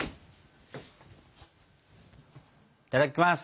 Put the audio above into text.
いただきます。